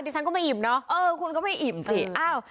ดิสันก็ไม่อิ่มเนาะ